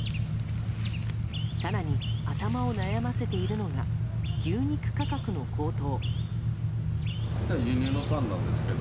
更に頭を悩ませているのが牛肉価格の高騰。